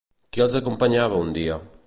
Qui els acompanyava un dia?